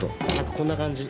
こんな感じ。